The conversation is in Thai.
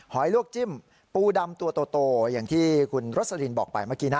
อยลวกจิ้มปูดำตัวโตอย่างที่คุณรสลินบอกไปเมื่อกี้นะ